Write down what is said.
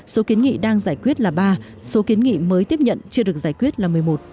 số kiến nghị đang giải quyết là ba số kiến nghị mới tiếp nhận chưa được giải quyết là một mươi một